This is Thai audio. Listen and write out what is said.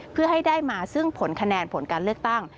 เพื่อให้ได้มาซึ่งผลคะแนนผลการเลือกตั้ง